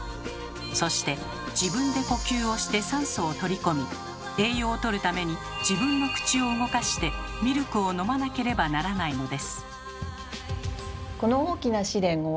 そして自分で呼吸をして酸素を取り込み栄養をとるために自分の口を動かしてミルクを飲まなければならないのです。